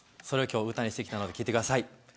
それを今日は歌にしてきたので聞いてください。